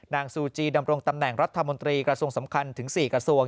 ซูจีดำรงตำแหน่งรัฐมนตรีกระทรวงสำคัญถึง๔กระทรวง